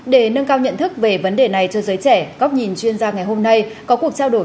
để nâng cao nhận thức về vấn đề này cho giới trẻ góc nhìn chuyên gia ngày hôm nay có cuộc trao đổi